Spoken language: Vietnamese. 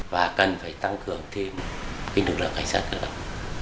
và cần phải tăng cường thêm cái nực lượng hành sát được